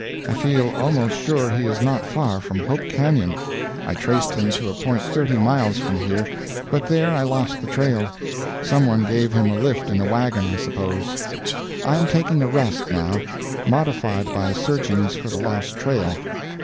I feel almost sure he is not far from Hope Canyon; I traced him to a point thirty miles from here, but there I lost the trail; some one gave him a lift in a wagon, I suppose. I am taking a rest, now modified by searchings for the lost trail.